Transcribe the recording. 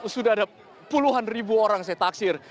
sudah ada puluhan ribu orang saya taksir